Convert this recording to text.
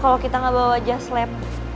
kalau kita gak bawa just lab